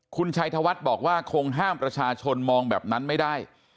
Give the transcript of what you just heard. คุณชัยธวัฒน์บอกว่าคงห้ามประชาชนมองแบบนั้นไม่ได้